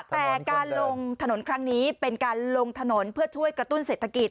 แต่การลงถนนครั้งนี้เป็นการลงถนนเพื่อช่วยกระตุ้นเศรษฐกิจ